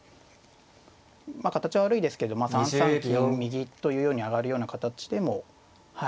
まあ形は悪いですけど３三金右というように上がるような形でも。